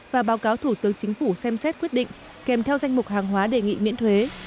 và báo cáo thủ tướng chính phủ xem xét quyết định kèm theo danh mục hàng hóa đề nghị miễn thuế